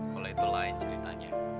boleh itu lain ceritanya